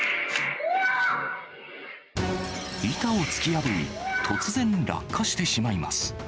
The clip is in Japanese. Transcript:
板を突き破り、突然落下してしまいます。